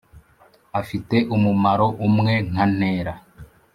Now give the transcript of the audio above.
afite umumaro umwe nka ntera